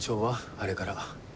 あれから。